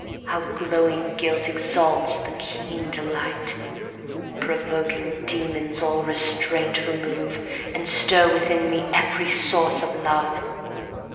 How glowing guilt exalts the keen delight! 230 Provoking demons all restraint remove, And stir within me every source of love.